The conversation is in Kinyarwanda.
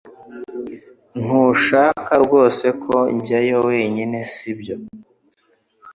Ntushaka rwose ko njyayo wenyine sibyo